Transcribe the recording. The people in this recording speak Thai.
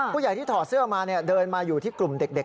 ผู้ใหญ่ที่ถอดเสื้อมาเดินมาอยู่ที่กลุ่มเด็ก